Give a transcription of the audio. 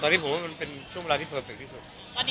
ตอนนี้ผมว่ามันเป็นช่วงเวลาที่เพอร์เฟคที่สุด